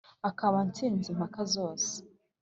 Akaba antsinze impaka zose